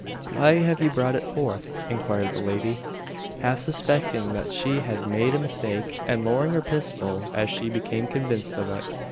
"Why have you brought it forth?" inquired the lady, half suspecting that she had made a mistake, and lowering her pistol as she became convinced of it.